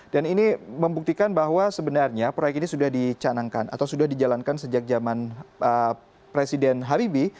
dan ini membuktikan bahwa sebenarnya proyek ini sudah dicanangkan atau sudah dijalankan sejak zaman presiden habibie